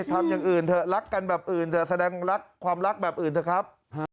ทำอย่างอื่นเถอะรักกันแบบอื่นเถอะแสดงรักความรักแบบอื่นเถอะครับ